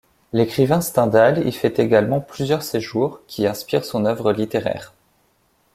L’écrivain Stendhal y fait également plusieurs séjours qui inspirent son œuvre littéraire.